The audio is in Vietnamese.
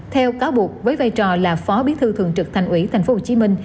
theo cáo buộc với vai trò là phó bí thư thường trực thành ủy tp hcm